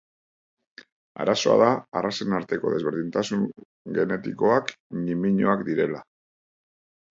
Arazoa da arrazen arteko desberdintasun genetikoak ñimiñoak direla.